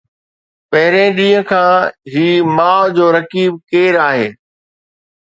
پهرين ڏينهن کان هي ماءُ جو رقيب ڪير آهي؟